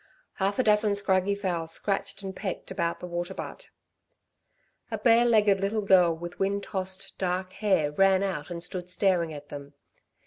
Half a dozen scraggy fowls scratched and pecked about the water butt. A bare legged little girl with wind tossed dark hair ran out and stood staring at them.